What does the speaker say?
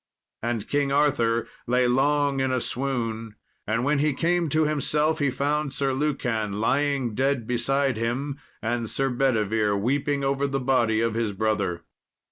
And King Arthur lay long in a swoon, and when he came to himself, he found Sir Lucan lying dead beside him, and Sir Bedivere weeping over the body of his brother.